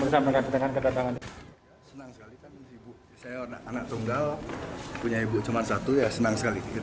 saya anak tunggal punya ibu cuma satu senang sekali